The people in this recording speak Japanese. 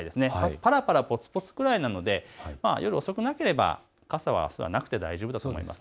ぱらぱらぽつぽつくらいなので夜遅くなければ傘はなくて大丈夫だと思います。